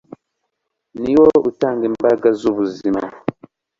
ni wo utanga imbaraga z’ubuzima